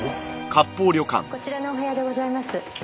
こちらのお部屋でございます。